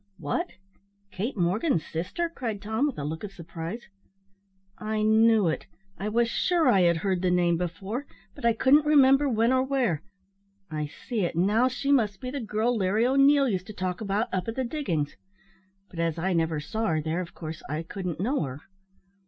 "What! Kate Morgan's sister!" cried Tom, with a look of surprise. "I knew it; I was sure I had heard the name before, but I couldn't remember when or where; I see it now; she must be the girl Larry O'Neil used to talk about up at the diggin's; but as I never saw her there, of course I couldn't know her."